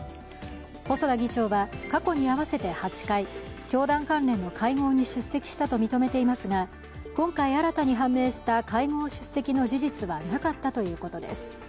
細田議長は、過去に合わせて８回、教団関連の会合に出席したと認めていますが、今回、新たに判明した会合出席の事実はなかったということです。